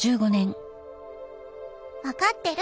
「分かってる？